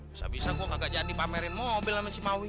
bisa bisa gue kagak jadi pamerin mobil sama cimawi